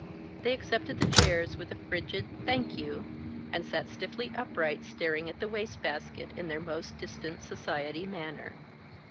They accepted the chairs with a frigid, "Thank you," and sat stiffly upright staring at the wastebasket in their most distant society manner.